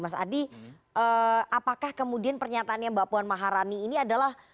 apakah kemudian pernyataannya mbak puan maharani ini adalah